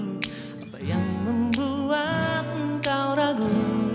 apa yang membuat engkau ragu